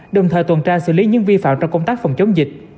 đồng thời tuần tra xử lý những vi phạm trong công tác phòng chống dịch